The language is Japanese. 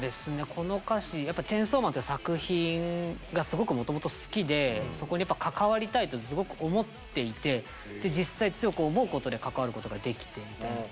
この歌詞やっぱ「チェンソーマン」という作品がすごくもともと好きでそこにやっぱ関わりたいとすごく思っていてで実際強く思うことで関わることができてみたいな。